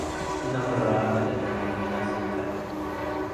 ለምራቀ ልጥዕም ምነ ስከር